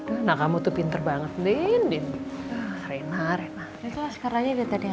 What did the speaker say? anak kamu tuh pinter banget nindin renar itu sekarang ya tadi